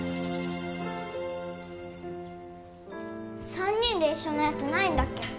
３人で一緒のやつないんだっけ？